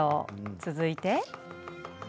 続いて。